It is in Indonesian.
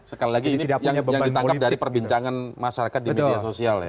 sekali lagi ini yang ditangkap dari perbincangan masyarakat di media sosial ya